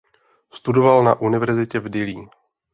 Studoval na univerzitě v Dillí.